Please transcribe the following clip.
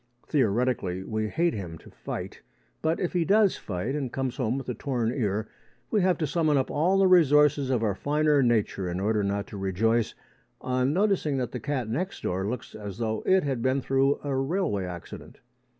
Theoretically, we hate him to fight, but, if he does fight and comes home with a torn ear, we have to summon up all the resources of our finer nature in order not to rejoice on noticing that the cat next door looks as though it had been through a railway accident.